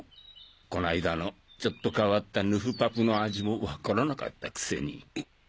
こないだのちょっと変わったヌフ・パプの味も分からなかったくせに。